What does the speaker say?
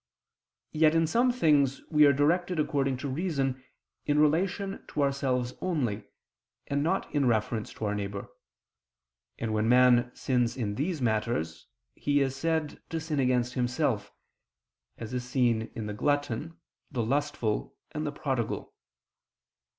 Yet in some things we are directed according to reason, in relation to ourselves only, and not in reference to our neighbor; and when man sins in these matters, he is said to sin against himself, as is seen in the glutton, the lustful, and the prodigal.